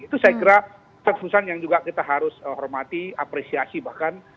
itu saya kira keputusan yang juga kita harus hormati apresiasi bahkan